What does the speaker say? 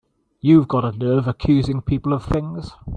You've got a nerve accusing people of things!